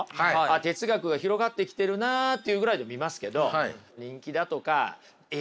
哲学が広がってきてるなっていうぐらいで見ますけど人気だとか影響とかそういう意味でね